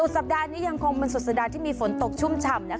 สัปดาห์นี้ยังคงเป็นสุดสัปดาห์ที่มีฝนตกชุ่มฉ่ำ